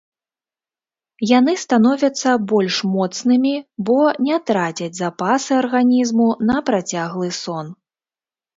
Яны становяцца больш моцнымі, бо не трацяць запасы арганізму на працяглы сон.